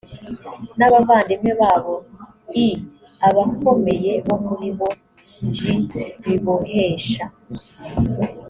n abavandimwe babo i abakomeye bo muri bo j bibohesha